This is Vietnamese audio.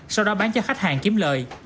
sau đó bán cho khách hàng kiếm lời